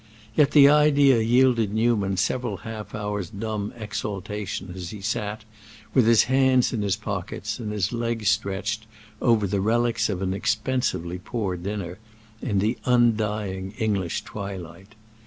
Yet the idea yielded Newman several half hours' dumb exaltation as he sat, with his hands in his pockets and his legs stretched, over the relics of an expensively poor dinner, in the undying English twilight.